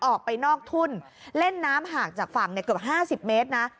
ออกไปนอกทุ่นเล่นน้ำหากจากฝั่งเนี่ยเกือบห้าสิบเมตรนะ